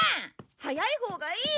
早いほうがいい。